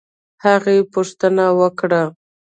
هغې پوښتنه وکړه